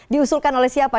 diusulkan oleh siapa